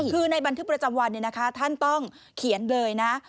คือในบันทึกประจำวันท่านต้องเขียนเลยนะ